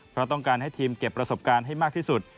เพราะต้องการให้ทีมเก็บประสบการณ์ให้มากที่สุด